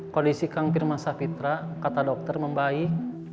kondisi kang pirmansah pitra kata dokter membaik